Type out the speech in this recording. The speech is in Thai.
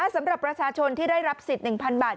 สำหรับประชาชนที่ได้รับสิทธิ์๑๐๐บาท